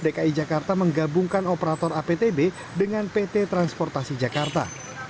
dki jakarta menggabungkan operator aptb dengan pt transportasi jakarta